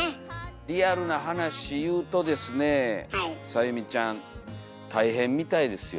リアルな話言うとですねさゆみちゃん大変みたいですよ。